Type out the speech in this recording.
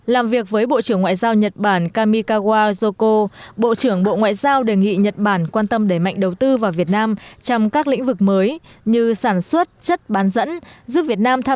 làm việc với bộ trưởng ngoại giao nhật bản kamikawa yoko bộ trưởng bộ ngoại giao đề nghị nhật bản quan tâm đẩy mạnh đầu tư vào việt nam trong các lĩnh vực mới như sản xuất chất bán dẫn